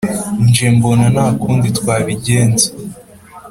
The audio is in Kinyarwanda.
nje mbona nta kundi twabigenza